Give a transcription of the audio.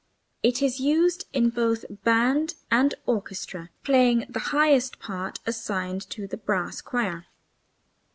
It is used in both band and orchestra, playing the highest parts assigned to the brass choir.